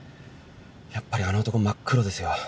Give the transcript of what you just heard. やっぱりあの男真っ黒ですよ。